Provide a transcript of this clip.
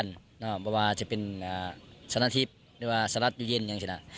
เพราะว่าจะเป็นสนัทธิพย์หรือว่าสนัทอยู่เย็นอย่างเชียวน่ะ